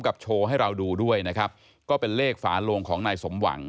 โชว์ให้เราดูด้วยนะครับก็เป็นเลขฝาโลงของนายสมหวัง